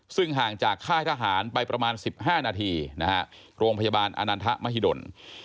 ซึ่งห่างจากค่ายทหารไปประมาณ๑๕นาทีนะฮะโรงพยาบาลอานันทะมหิดล